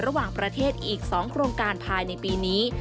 ระหว่างประเทศอีก๒โครงการภายในปีนี้